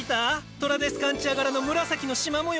トラデスカンチア柄の紫のしま模様。